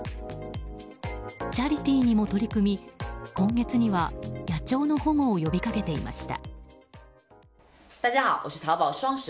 チャリティーにも取り組み今月には野鳥の保護を呼びかけていました。